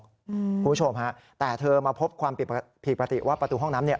คุณผู้ชมฮะแต่เธอมาพบความผิดปกติว่าประตูห้องน้ำเนี่ย